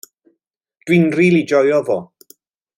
Dw i'n rili joio fo.